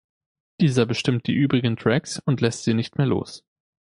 Dieser bestimmt die übrigen Tracks und lässt sie nicht mehr los.